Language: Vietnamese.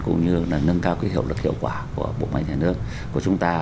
cũng như là nâng cao cái hiệu quả của bộ máy nhà nước của chúng ta